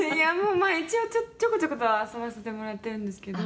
一応ちょこちょことは遊ばせてもらってるんですけど。